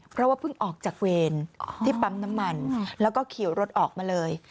เพราะว่าเพิ่งออกจากเวรที่ปั๊มน้ำมันแล้วก็ขี่รถออกมาเลย